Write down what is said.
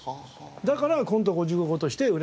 だからコント５５号として売れたんだと。